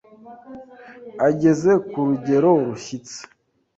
ageze ku rugero rushyitse.